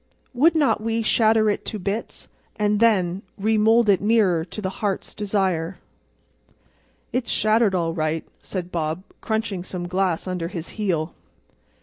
"'Would not we shatter it to bits—and then Remould it nearer to the Heart's Desire!'" "It's shattered all right," said Bob, crunching some glass under his heel.